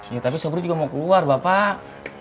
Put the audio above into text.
ya tapi sopir juga mau keluar bapak